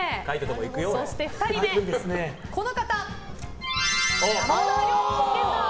そして２人目、山田涼介さん。